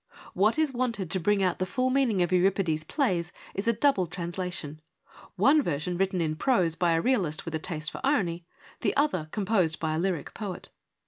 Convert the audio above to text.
What is wanted to bring out the full meaning of Euripides' plays is a double translation ; one version written in prose by a realist with a taste for irony, the other composed by a lyric poet.